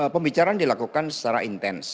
pembicaraan dilakukan secara intens